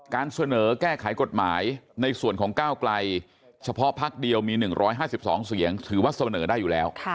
การเสนอแก้ไขกฎหมายในส่วนของก้าวไกลเฉพาะพักเดียวมี๑๕๒เสียงถือว่าเสนอได้อยู่แล้ว